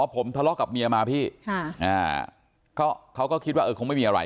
อ๋อผมทะเลาะกับเมียมาพี่ค่ะอ่าเขาเขาก็คิดว่าเออคงไม่มีอะไร